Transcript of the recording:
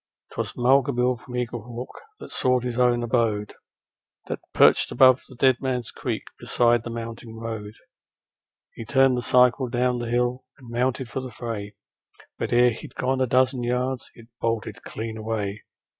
'Twas Mulga Bill, from Eaglehawk, that sought his own abode, That perched above the Dead Man's Creek, beside the mountain road. He turned the cycle down the hill and mounted for the fray, But ere he'd gone a dozen yards it bolted clean away.